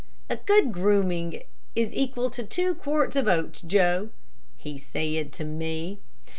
"A good grooming is equal to two quarts of oats, Joe," he said to me.